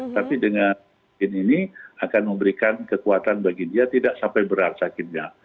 tapi dengan vaksin ini akan memberikan kekuatan bagi dia tidak sampai berat sakitnya